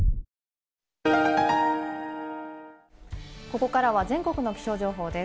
ここからは全国の気象情報です。